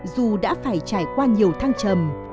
dù đã phải trải qua nhiều thăng trầm